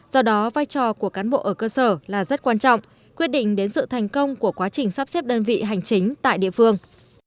do đó vai trò của cán bộ ở cơ sở là rất quan trọng quyết định đến sự thành công của quá trình sắp xếp đơn vị hành chính tại địa phương